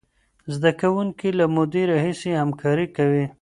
زده کوونکي له مودې راهیسې همکاري کوي.